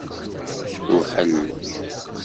Tewḥel.